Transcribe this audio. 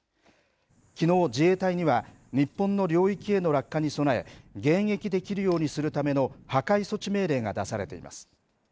きのう、自衛隊には、日本の領域への落下に備え、迎撃できるようにするための破壊措置命令が出されています。